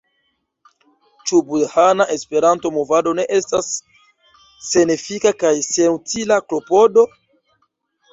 Ĉu budhana Esperanto-movado ne estas senefika kaj senutila klopodo?